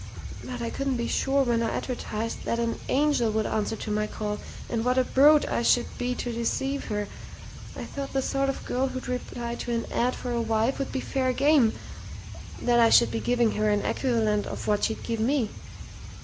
But I couldn't be sure when I advertised what an angel would answer to my call, and what a brute I should be to deceive her. I thought the sort of girl who'd reply to an 'ad' for a wife would be fair game; that I should be giving her an equivalent for what she'd give me.